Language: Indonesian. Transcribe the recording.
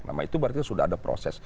nama itu berarti sudah ada proses